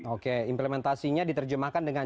oke implementasinya diterjemahkan dengan